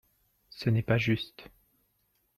Ce n'est pas juste.